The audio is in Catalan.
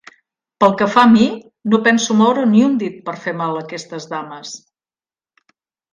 Pel que fa a mi, no penso moure ni un dit per fer mal a aquestes dames.